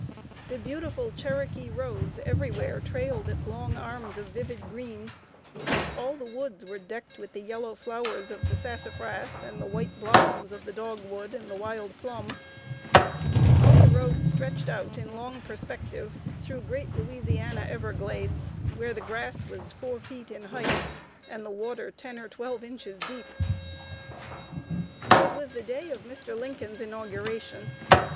The beautiful Cherokee rose everywhere trailed its long arms of vivid green; all the woods were decked with the yellow flowers of the sassafras and the white blossoms of the dogwood and the wild plum. Our road stretched out in long perspective through great Louisiana everglades, where the grass was four feet in hight and the water ten or twelve inches deep. [Sidenote: FEELING TOWARD PRESIDENT LINCOLN.] It was the day of Mr. Lincoln's inauguration.